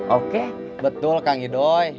oke betul kang idoi